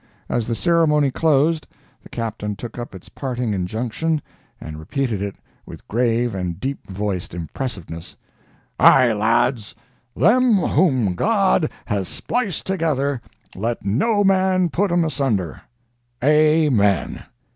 As the ceremony closed, the Captain took up its parting injunction and repeated it with grave and deep voiced impressiveness: "Ay, lads—them whom God has spliced together, let no man put 'em asunder! A men."